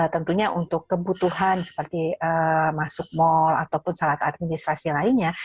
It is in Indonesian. tentunya untuk kebutuhan seperti masuk mal ataupun salat administrasi lainnya